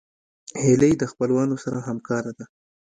هیلۍ د خپلوانو سره همکاره ده